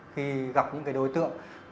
khi gặp những đối tượng